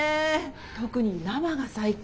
特に生が最高！